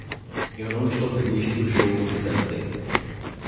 Eu não estou feliz que o show dure tanto tempo.